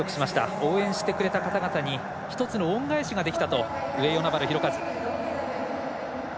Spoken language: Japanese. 応援してくれた方々に恩返しができたと上与那原寛和。